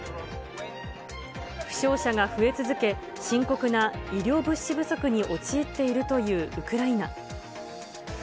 負傷者が増え続け、深刻な医療物資不足に陥っているというウクライナ。